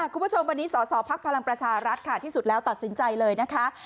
คุณผู้ชมวันนี้สสพลังประชารัฐค่ะที่สุดแล้วตัดสินใจเลยนะคะ